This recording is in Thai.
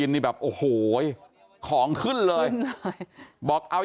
สวัสดีคุณผู้ชายสวัสดีคุณผู้ชาย